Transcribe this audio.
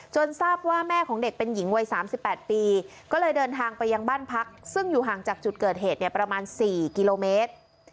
ทราบว่าแม่ของเด็กเป็นหญิงวัย๓๘ปีก็เลยเดินทางไปยังบ้านพักซึ่งอยู่ห่างจากจุดเกิดเหตุเนี่ยประมาณ๔กิโลเมตร